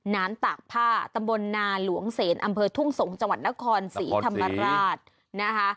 นานตากผ้าตำบลนาหลวงเสนอำเภอทุ่งสงฆ์จนครศรีธรรมราช